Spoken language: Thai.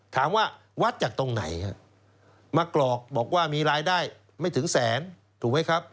ถามว่าวัดจากตรงไหนมากรอกบอกว่ามีรายได้ไม่ถึงแสนถูกไหมครับ